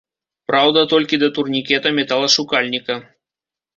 Праўда, толькі да турнікета-металашукальніка.